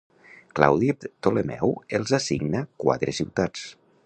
Claudi Ptolemeu els assigna quatre ciutats.